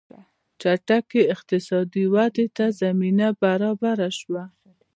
چټکې اقتصادي ودې ته زمینه برابره شوه.